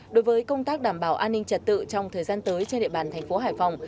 đối với công tác đảm bảo an ninh trật tự trong thời gian tới trên địa bàn thành phố hải phòng